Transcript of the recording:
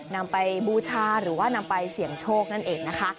นำไปบูชาหรือว่านำไปเสี่ยงโชคนั่นเองนะคะ